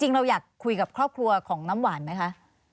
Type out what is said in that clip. เราอยากคุยกับครอบครัวของน้ำหวานไหมคะ